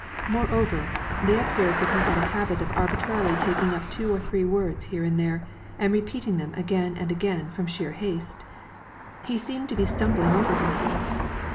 Moreover, they observed that he had a habit of arbitrarily taking up two or three words here and there, and repeating them again and again from sheer haste. He seemed to be stumbling over himself.